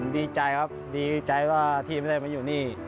ดีใจครับดีใจว่าทีมจะได้มาอยู่นี่